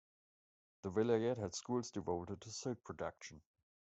The vilayet had schools devoted to silk production.